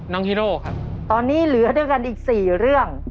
ฮีโร่ครับตอนนี้เหลือด้วยกันอีกสี่เรื่อง